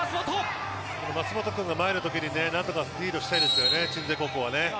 舛本君が前のときに何とかリードしたいですよね